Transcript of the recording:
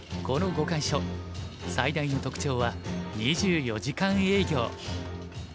この碁会所最大の特徴は２４時間営業。